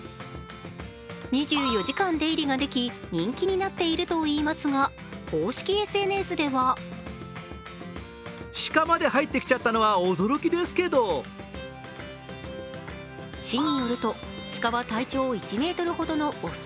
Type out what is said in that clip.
２４時間出入りができ人気になっているといいますが公式ＳＮＳでは市によるとシカは体長１ｍほどの雄。